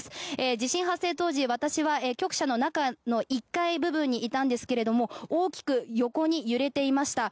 地震発生当時私は局舎の中の１階部分にいたんですけれども大きく横に揺れていました。